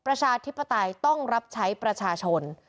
ประชาธิปไตยต้องรับใช้ประชาชน